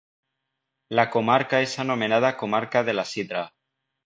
La comarca és anomenada Comarca de la Sidra.